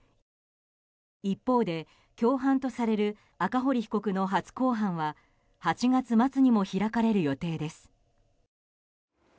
一方で共犯とされる赤堀被告の初公判は８月末にも開かれる予定です。